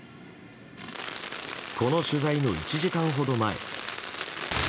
この取材の１時間ほど前。